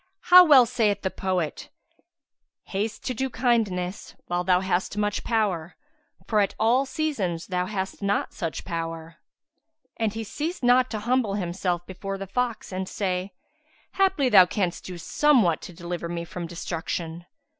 How well saith the poet, 'Haste to do kindness while thou hast much power, * For at all seasons thou hast not such power.'" And he ceased not to humble himself before the fox and say, "Haply, thou canst do somewhat to deliver me from destruction."